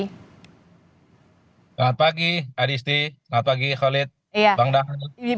selamat pagi adisti selamat pagi khalid bang dahlan